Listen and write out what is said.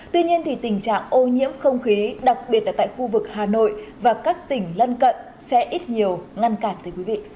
tuy nhiên thì tình trạng ô nhiễm không khí đặc biệt là tại khu vực hà nội và các tỉnh lân cận sẽ ít nhiều ngăn cản tới quý vị